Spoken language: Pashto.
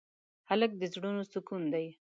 هلک د زړونو سکون دی.